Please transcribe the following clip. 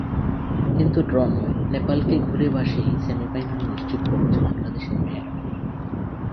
কিন্তু ড্র নয়, নেপালকে গোলে ভাসিয়েই সেমিফাইনাল নিশ্চিত করেছে বাংলাদেশের মেয়েরা।